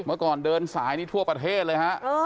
เมื่อก่อนเดินสายนี่ทั่วประเทศเลยฮะ